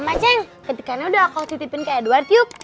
om aceh ketikannya udah aku titipin ke edward nyup